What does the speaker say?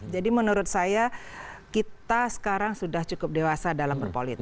jadi menurut saya kita sekarang sudah cukup dewasa dalam berpolitik